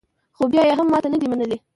خو بیا یې هم ماته نه ده منلې